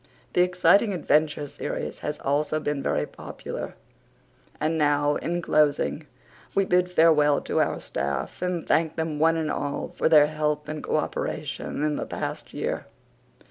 The Exciting Adventure series has also been very popular. And now, in closing, we bid farewell to our staff and thank them one and all for their help and co operation in the past year.